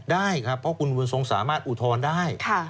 ได้ครับเพราะคุณบุญทรงสามารถอุทธรณ์ได้